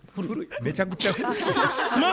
めちゃくちゃ古い。